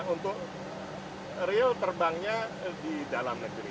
untuk real terbangnya di dalam negeri